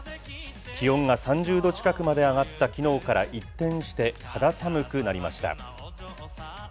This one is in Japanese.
気温が３０度近くまで上がったきのうから一転して肌寒くなりました。